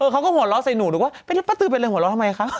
เขาก็หัวเราะใส่หนูบอกไปแล้วป๊ะตือเป็นอะไรหัวเราะทำไมคะ